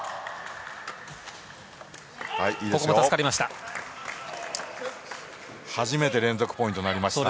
ここも助かりました。